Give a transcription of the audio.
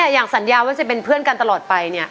อย่างสัญญาว่าจะเป็นเพื่อนกันตลอดไปเนี่ย